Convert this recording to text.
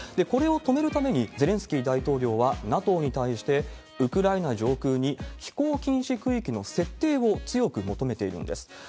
これを止めるために、ゼレンスキー大統領はＮＡＴＯに対して、ウクライナ上空に飛行禁止区域の設定を強く求めているんです。